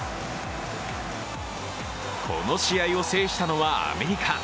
この試合を制したのはアメリカ。